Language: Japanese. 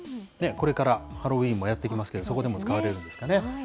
これからハロウィーンもやって来ますけれども、そこでも使われるんですかね。